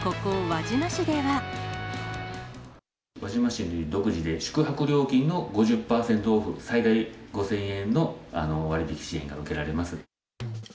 輪島市独自で宿泊料金の５０％オフ、最大５０００円の割引支援が受けられます。